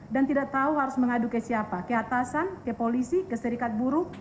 dan tidak tahu harus mengadu ke siapa ke atasan ke polisi ke serikat buruh